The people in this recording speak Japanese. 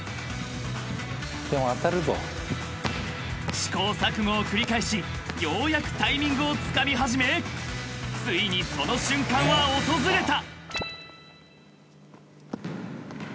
［試行錯誤を繰り返しようやくタイミングをつかみ始めついにその瞬間は訪れた］